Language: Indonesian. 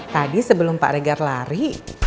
tadi sebelum pak regar lari